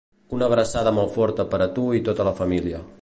Una abraçada molt forta per a tu i tota la família.